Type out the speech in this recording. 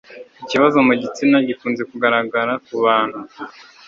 Ikibazo mu gitsina gikunze kugaragara ku bantu